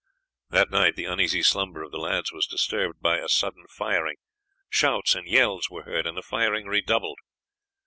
That night the uneasy slumber of the lads was disturbed by a sudden firing; shouts and yells were heard, and the firing redoubled.